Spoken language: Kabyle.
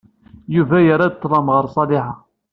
Yuba yerra-d ṭlem ɣef Ṣaliḥa.